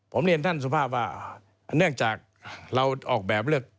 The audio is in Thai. ผมเรียนท่านสุภาพว่าเนื่องจากเราออกแบบเลือก